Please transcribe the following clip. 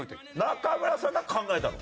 中村さんが考えたの？